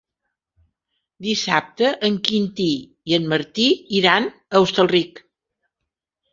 Dissabte en Quintí i en Martí iran a Hostalric.